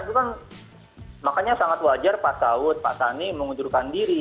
itu kan makanya sangat wajar pak saud pak sani mengundurkan diri